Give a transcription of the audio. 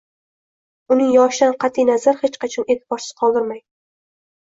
uning yoshidan qat’iy nazar hech qachon e’tiborsiz qoldirmang.